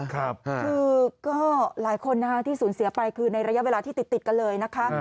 คือก็หลายคนที่สูญเสียไปคือในระยะเวลาที่ติดกันเลยนะคะ